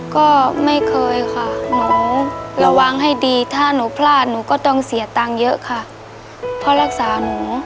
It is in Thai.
ก็ไม่เคยค่ะหนูระวังให้ดีถ้าหนูพลาดหนูก็ต้องเสียตังค์เยอะค่ะเพราะรักษาหนู